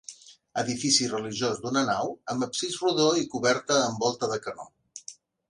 Edifici religiós d'una nau amb absis rodó i coberta amb volta de canó.